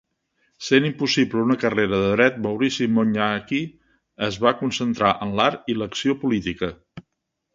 Sent impossible una carrera de dret, Maurycy Mochnacki es va concentrar en l'art i l'acció política.